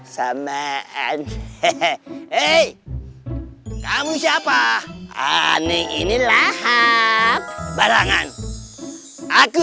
samaan hei kamu siapa aneh ini lahap barangan aku